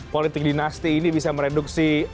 politik dinasti ini bisa mereduksi